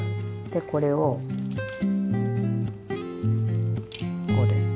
でこれをこうです。